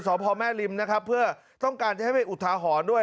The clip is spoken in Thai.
เดินสอบพ่อแม่ริมนะครับเพื่อต้องการจะให้ไปอุทหาหอนด้วย